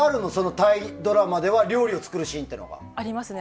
タイドラマでは料理を作るシーンは。ありますね。